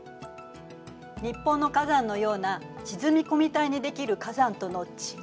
日本の火山のような沈み込み帯にできる火山との違い